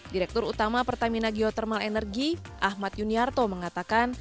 direktur utama pertamina geotermal energi ahmad yuniarto mengatakan